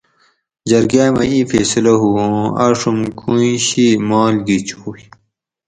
جرگاۤ مئ ایں فیصلہ ھو اُوں آڛوم کویٔیں شی مال گی چوئ